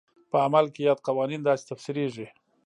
په عمل کې یاد قوانین داسې تفسیرېږي.